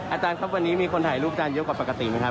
อาจารย์ครับวันนี้มีคนถ่ายรูปอาจารย์เยอะกว่าปกติไหมครับ